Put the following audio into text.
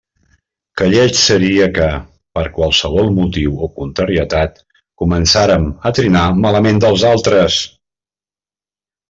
Que lleig seria que, per qualsevol motiu o contrarietat, començàrem a trinar malament dels altres!